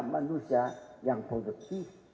manusia yang produktif